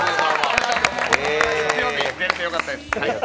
月曜日出れたよかったです。